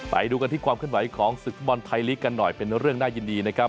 ไปดูกันที่ความขึ้นไหวของศึกฟุตบอลไทยลีกกันหน่อยเป็นเรื่องน่ายินดีนะครับ